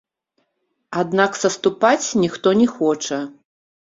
Аднак саступаць ніхто не хоча.